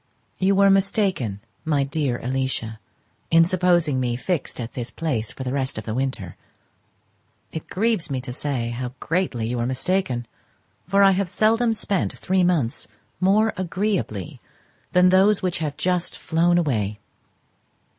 You were mistaken, my dear Alicia, in supposing me fixed at this place for the rest of the winter: it grieves me to say how greatly you were mistaken, for I have seldom spent three months more agreeably than those which have just flown away.